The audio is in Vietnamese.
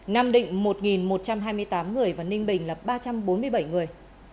nam định một một trăm hai mươi tám người và ninh bình là ba trăm bốn mươi bảy người